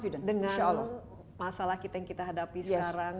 dengan masalah kita yang kita hadapi sekarang